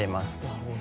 なるほど。